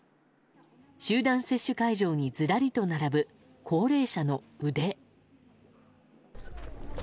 集団接種会場にずらりと並ぶ高齢者の腕。